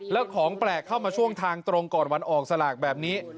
แล้วของแปลกเข้ามาช่วงทางตรงก่อนวันออกสลากแบบนี้